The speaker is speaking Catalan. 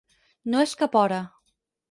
No és cap hora.